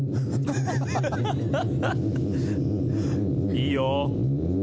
いいよ！